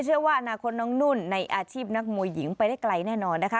เชื่อว่าอนาคตน้องนุ่นในอาชีพนักมวยหญิงไปได้ไกลแน่นอนนะคะ